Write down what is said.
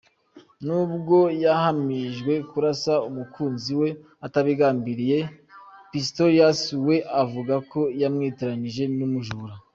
Nubwo yahamijwe kurasa umukunzi we atabigambiriye, Pistorius we avuga ko yamwitiranyije n’umujura.